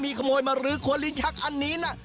ใครขโมยมาลื้อคนลิ้นชักอันนี้หน่ะ